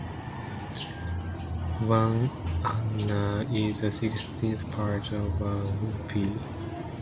One anna is a sixteenth part of a rupee.